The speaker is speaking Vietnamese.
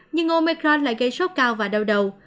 nhưng omicron lại gây sốt cao và đau đầu